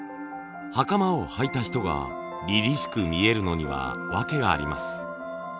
袴をはいた人がりりしく見えるのには訳があります。